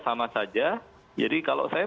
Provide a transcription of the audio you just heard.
sama saja jadi kalau saya